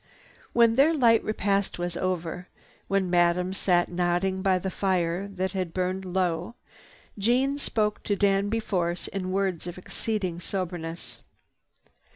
When their light repast was over, when Madame sat nodding by the fire that had burned low, Jeanne spoke to Danby Force in words of exceeding soberness.